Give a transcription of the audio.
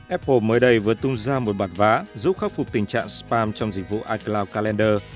apple mới đây vừa tung ra một bản vá giúp khắc phục tình trạng spam trong dịch vụ icloud calander